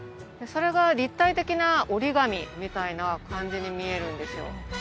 それが立体的な折り紙みたいな感じに見えるんですよ